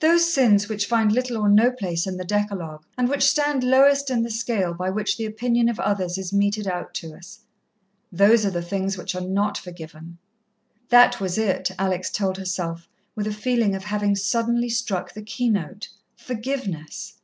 Those sins which find little or no place in the decalogue, and which stand lowest in the scale by which the opinion of others is meted out to us. Those are the things which are not forgiven. That was it, Alex told herself, with a feeling of having suddenly struck the keynote. Forgiveness.